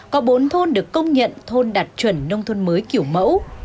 có bốn thôn được công nhận thôn đạt chuẩn nông thôn mới kiểu mẫu